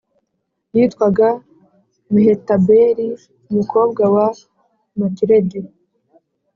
yitwaga Mehetabeli umukobwa wa Matiredi